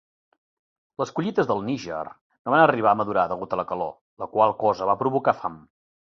Les collites del Níger no van arribar a madurar degut a la calor, la qual cosa va provocar fam.